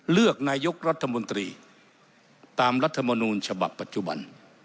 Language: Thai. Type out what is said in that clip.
เลือกนายกรัฐมนตรีตามรัฐมนูลฉบับปัจจุบัน